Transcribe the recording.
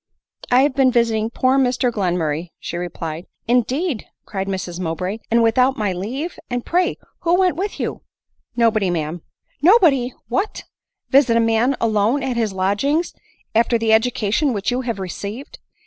" I have been visiting poor Mr Glenmurray," she re plied. "Indeed !" cried Mrs Mowbray ;" and without my leave ! and pray who went with you ?"" Nobody, ma'am." " Nobody !— What ! visit a man alone at his lodgings, after the education which you have received